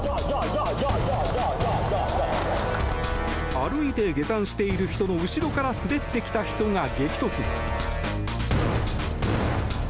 歩いて下山している人の後ろから滑ってきた人が激突。